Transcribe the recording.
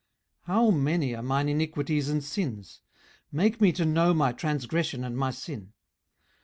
18:013:023 How many are mine iniquities and sins? make me to know my transgression and my sin.